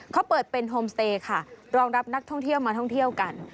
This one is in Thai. เขาเปิดเป็นโฮมสเตย์ค่ะรองรับนักท่องเที่ยวมาท่องเที่ยวกัน